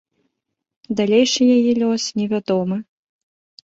Далейшы яе лёс невядомы.